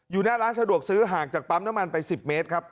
หน้าร้านสะดวกซื้อห่างจากปั๊มน้ำมันไป๑๐เมตรครับ